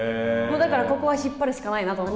だからここは引っ張るしかないなと思ってて。